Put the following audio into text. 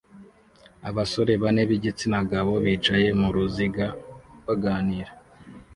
Abasore bane b'igitsina gabo bicaye mu ruziga baganira